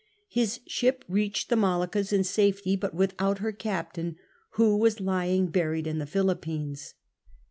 His ship reached the Moluccas in safety, but without her captain, who was lying buried in the Philippines.